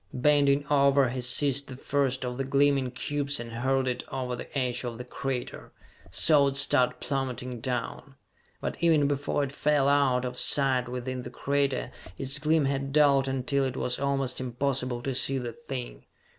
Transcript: Bending over he seized the first of the gleaming cubes and hurled it over the edge of the crater, saw it start plummeting down. But even before it fell out of sight within the crater its gleam had dulled until it was almost impossible to see the thing.